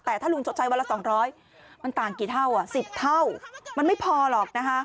แต่ถ้าลุงชดใช้วันละ๒๐๐มันต่างกี่เท่า๑๐เท่ามันไม่พอหรอกนะคะ